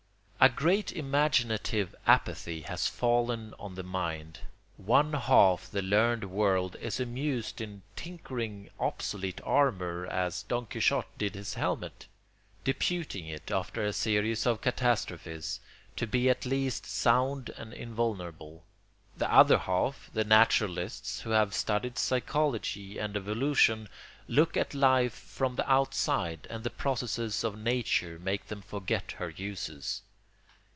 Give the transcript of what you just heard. A great imaginative apathy has fallen on the mind. One half the learned world is amused in tinkering obsolete armour, as Don Quixote did his helmet; deputing it, after a series of catastrophes, to be at last sound and invulnerable. The other half, the naturalists who have studied psychology and evolution, look at life from the outside, and the processes of Nature make them forget her uses.